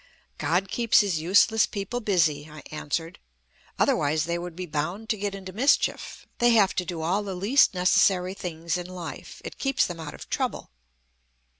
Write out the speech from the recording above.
"God keeps his useless people busy," I answered; "otherwise they would be bound to get into mischief. They have to do all the least necessary things in life. It keeps them out of trouble."